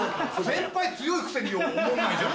先輩強いくせにおもんないじゃん。